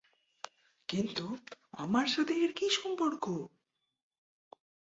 কিন্তু আমার সাথে এর কি সম্পর্ক?